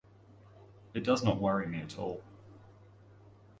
It does not worry me at all.